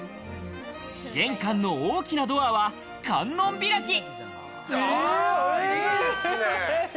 玄関の大きなドアは観音開き。